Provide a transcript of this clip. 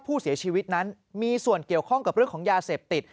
ผู้เสียชีวิตนั้นมีส่วนเกี่ยวข้องกับเรื่องของยาเสพติด